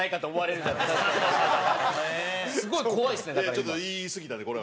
ちょっと言いすぎたね、これは。